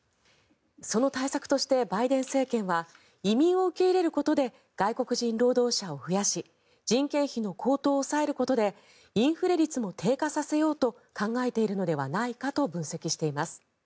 その対策としてバイデン政権は移民を受け入れることで外国人労働者を増やし人件費の高騰を抑えることでインフレ率も低下させようと考えているのではないかと分析しています。